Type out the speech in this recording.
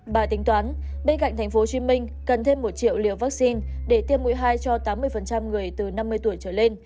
bà tính toán bên cạnh tp hcm cần thêm một triệu liều vaccine để tiêm mũi hai cho tám mươi người từ năm mươi tuổi trở lên